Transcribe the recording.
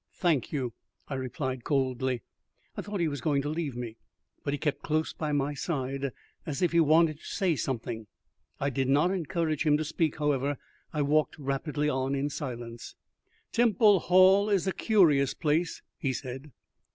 "Thank you," I replied coldly. I thought he was going to leave me, but he kept close by my side, as if he wanted to say something. I did not encourage him to speak, however; I walked rapidly on in silence. "Temple Hall is a curious place," he said.